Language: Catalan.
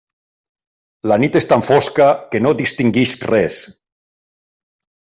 La nit és tan fosca que no distingisc res.